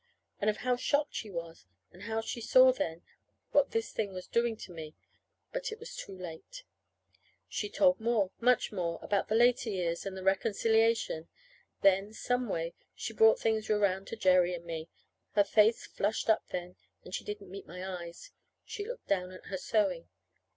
And of how shocked she was, and of how she saw then what this thing was doing to me. But it was too late. She told more, much more, about the later years, and the reconciliation; then, some way, she brought things around to Jerry and me. Her face flushed up then, and she didn't meet my eyes. She looked down at her sewing.